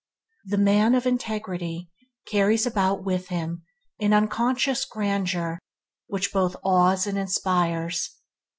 The man of integrity carries about with him an unconscious grandeur which both awes and inspires.